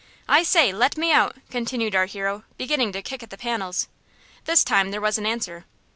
"I say, let me out!" continued our hero, beginning to kick at the panels. This time there was an answer.